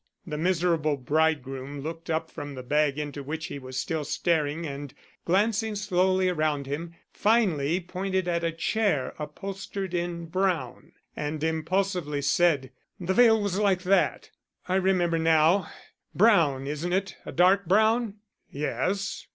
The miserable bridegroom looked up from the bag into which he was still staring and, glancing slowly around him, finally pointed at a chair upholstered in brown and impulsively said: "The veil was like that; I remember now. Brown, isn't it? a dark brown?" "Yes.